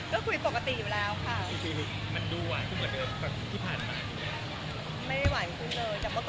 ก็คุยปกติอยู่แล้วค่ะ